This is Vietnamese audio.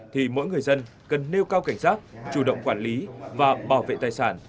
thì mỗi người dân cần nêu cao cảnh giác chủ động quản lý và bảo vệ tài sản